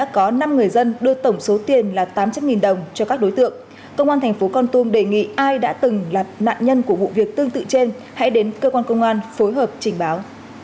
công an tp con tum đã đề nghị ai đã từng là nạn nhân của vụ việc tương tự trên hãy đến cơ quan công an phối hợp trình báo